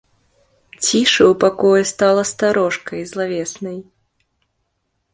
Ціша ў пакоі стала старожкай, злавеснай.